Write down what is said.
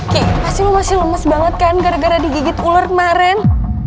kay pasti lo masih lemes banget kan gara gara digigit ular kemaren